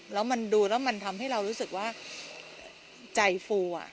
แล้วมันดูแล้วมันทำให้เรารู้สึกว่าใจฟู